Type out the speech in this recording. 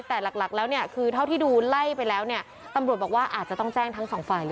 แต่หลักแล้วเนี่ยคือเท่าที่ดูไล่ไปแล้วเนี่ยตำรวจบอกว่าอาจจะต้องแจ้งทั้งสองฝ่ายเลย